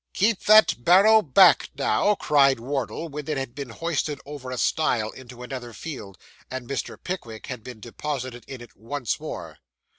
'Keep that barrow back now,' cried Wardle, when it had been hoisted over a stile into another field, and Mr. Pickwick had been deposited in it once more.